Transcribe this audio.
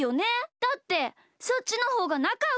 だってそっちのほうがなかよくなれるしね。